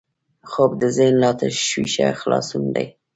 خوب د ذهن له تشویشه خلاصون دی